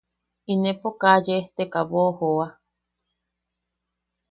–Inepo kaa yesteka boʼojoa.